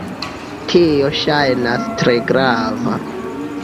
Tio ŝajnas tre grava